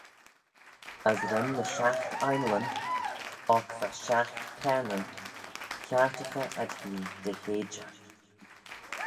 As ren ny shiaght ainleyn, oc va ny shiaght cayrnyn, kiartaghey ad-hene dy heidey.